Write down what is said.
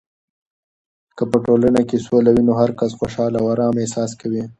که په ټولنه کې سوله وي، نو هرکس خوشحال او ارام احساس کوي.